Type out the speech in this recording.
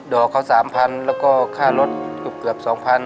อกเขา๓๐๐๐แล้วก็ค่ารถเกือบ๒๐๐